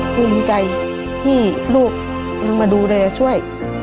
คุณพี่ไก่พี่ลูกยังมาดูแลช่วย